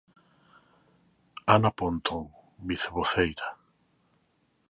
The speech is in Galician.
Ana Pontón, Vicevoceira.